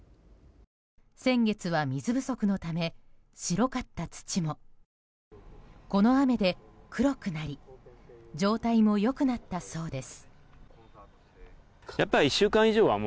先月は水不足のため白かった土もこの雨で黒くなり状態も良くなったそうです。